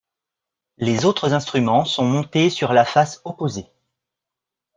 Les autres instruments sont montés sur la face opposée.